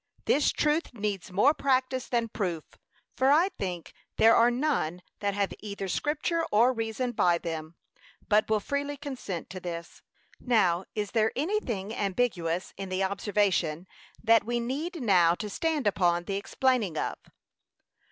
This truth needs more practice than proof. For I think there are none that have either scripture or reason by them, but will freely consent to this. Nor is there any thing ambiguous in the observation, that we need now to stand upon the explaining of.